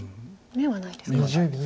眼はないです。